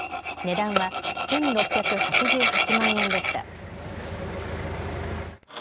値段は１６８８万円でした。